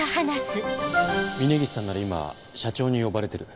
峰岸さんなら今社長に呼ばれてる。